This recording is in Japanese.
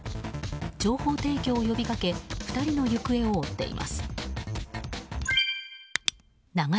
情報提供を呼びかけ２人の行方を追っています。